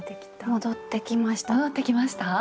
戻ってきました？